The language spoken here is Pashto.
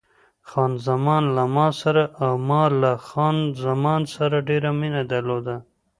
خان زمان له ما سره او ما له خان زمان سره ډېره مینه درلوده.